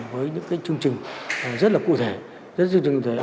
với những cái chương trình rất là cụ thể